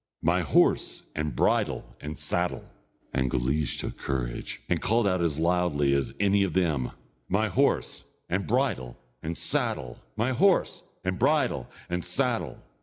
My horse, and bridle, and saddle!" and Guleesh took courage, and called out as loudly as any of them: "My horse, and bridle, and saddle! My horse, and bridle, and saddle!"